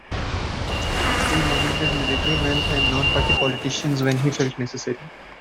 He nominated military men and non-party politicians when he felt necessary.